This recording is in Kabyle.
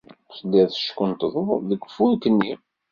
Telliḍ teckunṭḍeḍ deg ufurk-nni.